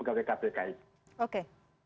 itu mbak elvira